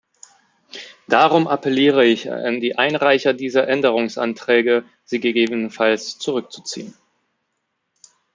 Darum appelliere ich an die Einreicher dieser Änderungsanträge, sie gegebenenfalls zurückzuziehen.